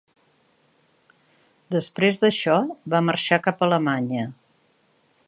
Després d’això va marxar cap a Alemanya.